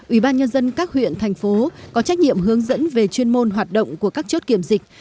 ủy ban nhân dân các huyện thành phố có trách nhiệm hướng dẫn về chuyên môn hoạt động của các chốt kiểm dịch